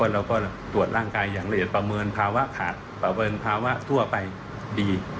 เราก็ตรวจร่างกายอย่างละเอียดประเมินภาวะขาดประเมินภาวะทั่วไปดี